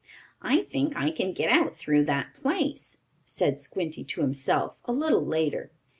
"I think I can get out through that place," said Squinty to himself, a little later.